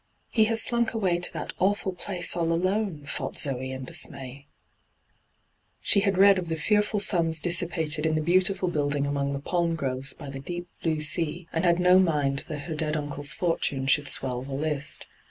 ' He has slunk away to that awliil place all alone,' thought Zee in dismay. She had read of the fearful sums dissipated in the beautiful building among the palm groves by the deep blue sea, and had no mind D,gt,, 6rtbyGOOglC ENTRAPPED 185 that her dead uncle's fortune should swell the list.